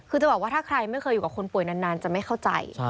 คือจะบอกว่าถ้าใครไม่เคยอยู่กับคนป่วยนานจะไม่เข้าใจ